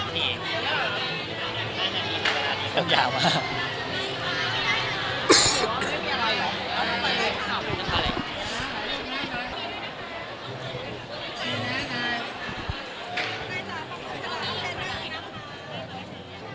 ต้นยาวมาก